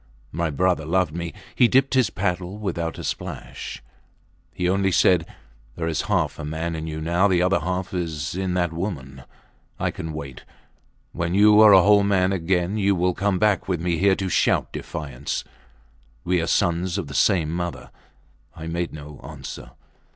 My brother loved me. He dipped his paddle without a splash. He only said, There is half a man in you now the other half is in that woman. I can wait. When you are a whole man again, you will come back with me here to shout defiance. We are sons of the same mother. I made no answer.